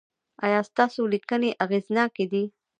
ایا ستاسو لیکنې اغیزناکې دي؟